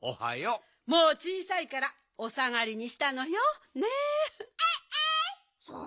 もうちいさいからおさがりにしたのよ。ね。